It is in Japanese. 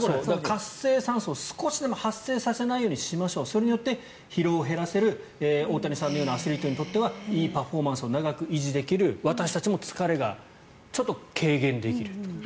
活性酸素を、少しでも発生させないようにしましょうそれによって疲労を減らせる大谷さんのようなアスリートにとってはいいパフォーマンスを長く維持できる私たちも疲れがちょっと軽減できると。